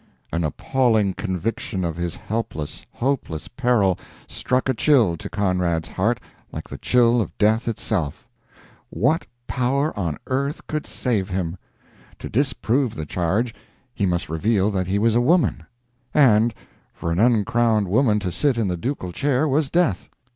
An appalling conviction of his helpless, hopeless peril struck a chill to Conrad's heart like the chill of death itself. What power on earth could save him! To disprove the charge, he must reveal that he was a woman; and for an uncrowned woman to sit in the ducal chair was death!